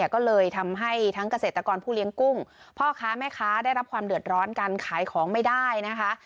ก็เลยทำให้ทั้งเกษตรกรผู้เลี้ยงกุ้งพ่อค้าแม่ค้าได้รับความเดือดร้อนกันขายของไม่ได้นะคะ